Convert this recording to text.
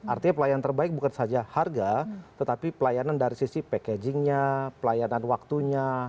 artinya pelayanan terbaik bukan saja harga tetapi pelayanan dari sisi packagingnya pelayanan waktunya